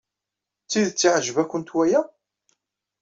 D tidet iɛjeb-awent waya?